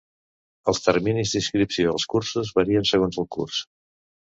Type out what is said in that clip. Els terminis d'inscripció als cursos varien segons el curs.